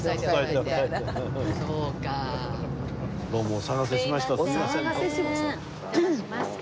どうもお騒がせしました。